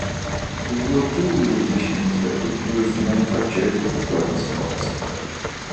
They were 'dual use' machines that could be used to manufacture weapons parts.